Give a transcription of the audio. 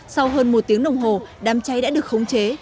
sau hơn một tiếng đồng hồ đám cháy đã được khống chế